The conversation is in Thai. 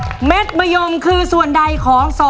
แล้ววันนี้ผมมีสิ่งหนึ่งนะครับเป็นตัวแทนกำลังใจจากผมเล็กน้อยครับ